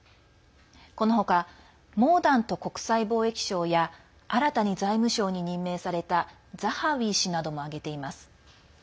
このほかモーダント国際貿易相や新たに財務相に任命されたザハウィ氏なども挙げています。